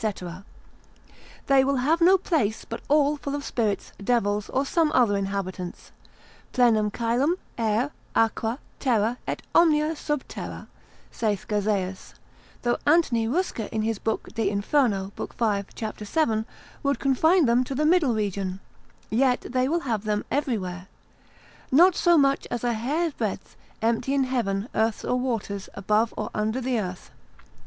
They will have no place but all full of spirits, devils, or some other inhabitants; Plenum Caelum, aer, aqua terra, et omnia sub terra, saith Gazaeus; though Anthony Rusca in his book de Inferno, lib. v. cap. 7. would confine them to the middle region, yet they will have them everywhere. Not so much as a hair breadth empty in heaven, earth, or waters, above or under the earth.